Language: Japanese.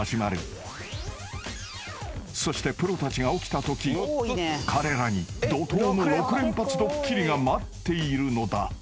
［そしてプロたちが起きたとき彼らに怒涛の６連発ドッキリが待っているのだ］